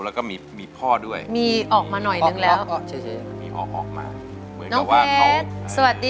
แล้วมีพ่อด้วยมีออกมาหน่อยนึงแล้ว